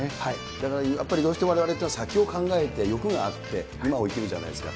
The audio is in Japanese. だからやっぱりどうしてもわれわれって先を考えて、欲があって、今を生きるじゃないですか。